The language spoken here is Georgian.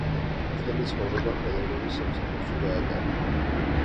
მთელი ცხოვრება ხელოვნების სამსახურში გაატარა.